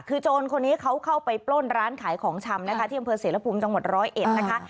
คือโจรคนนี้เขาเข้าไปปล้นร้านขายของชำนะคะที่บเสรภูมิจังหวัด๑๐๑นะคะ